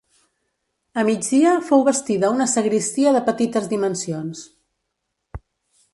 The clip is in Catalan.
A migdia fou bastida una sagristia de petites dimensions.